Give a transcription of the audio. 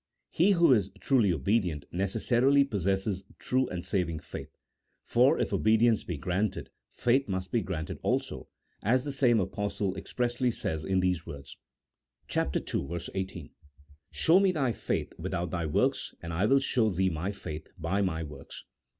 He who is truly obedient necessarily possesses true and saving faith; for if obedience be granted, faith must be granted also, as the same Apostle expressly says in these words (ii. 18), " Show me thy faith without thy works, and I will show thee my faith by my works."